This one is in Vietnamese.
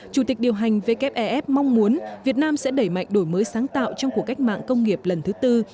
chủ tịch điều hành wef mong muốn việt nam sẽ đẩy mạnh đổi mới sáng tạo trong cuộc cách mạng công nghiệp lần thứ tư